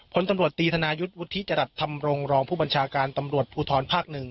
พลตำรวจตีธนายุทธ์วุฒิจรัสธรรมรงรองผู้บัญชาการตำรวจภูทรภาค๑